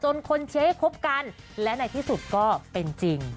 คนเชียร์ให้คบกันและในที่สุดก็เป็นจริง